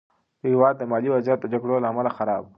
د هېواد مالي وضعیت د جګړو له امله خراب و.